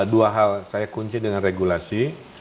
dua hal saya kunci dengan regulasi